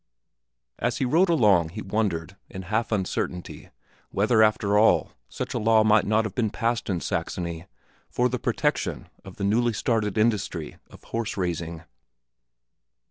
As he rode along he wondered, in half uncertainty, whether after all such a law might not have been passed in Saxony for the protection of the newly started industry of horse raising.